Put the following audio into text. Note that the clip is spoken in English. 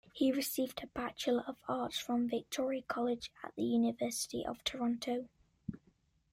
He received a Bachelor of Arts from Victoria College at the University of Toronto.